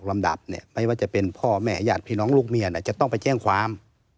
ลำดับเนี่ยไม่ว่าจะเป็นพ่อแม่ญาติพี่น้องลูกเมียจะต้องไปแจ้งความ